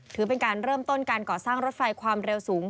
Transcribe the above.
ถือเป็นการเริ่มต้นการก่อสร้างรถไฟความเร็วสูง